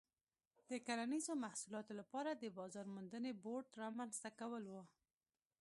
د کرنیزو محصولاتو لپاره د بازار موندنې بورډ رامنځته کول و.